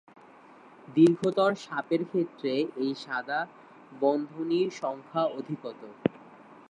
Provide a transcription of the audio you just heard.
দীর্ঘতর সাপের ক্ষেত্রে এই সাদা বন্ধনীর সংখ্যা অধিকতর।